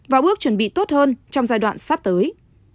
và bước chuẩn bị tốt hơn trong giai đoạn sắp tới